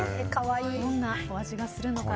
どんなお味がするのか。